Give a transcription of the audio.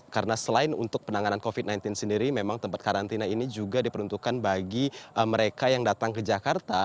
karena selain untuk penanganan covid sembilan belas sendiri memang tempat karantina ini juga diperuntukkan bagi mereka yang datang ke jakarta